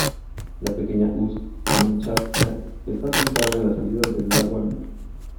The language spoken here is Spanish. La pequeña Ust-Kamchatka está asentada en la salida del lago al mar.